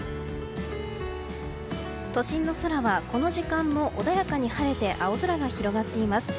都心の空はこの時間も穏やかに晴れて青空が広がっています。